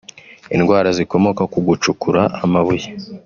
indwara zikomoka ku gucukura amabuye